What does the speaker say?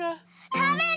たべる！